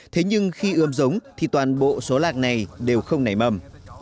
thế nhưng khi ươm giống thì toàn bộ số lạt này đều không nảy mầm